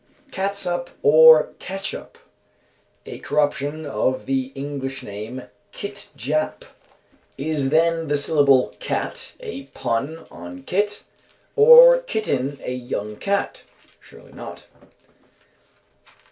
Catsup or ketchup. A corruption of the Eastern name of "Kitjap." Is then the syllable "cat" a pun on "kit" or "kitten" (a young cat)? Surely not.